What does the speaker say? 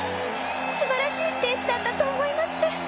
すばらしいステージだったと思います。